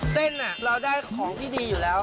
เส้นเราได้ของที่ดีอยู่แล้ว